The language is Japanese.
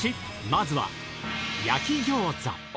まずは焼き餃子。